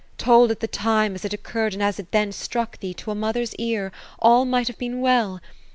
Told at the time, as it occurred, and as it then struck thee, to a mother's ear, all might have been well.